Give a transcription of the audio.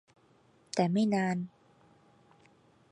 แต่ไม่นาน